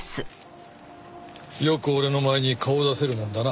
よく俺の前に顔を出せるもんだな。